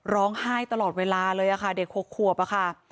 ร้องไห้ตลอดเวลาเลยค่ะเด็ก๖ขวบอะค่ะ